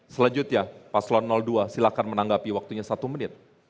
selanjutnya pak slon dua silakan menanggapi waktunya satu menit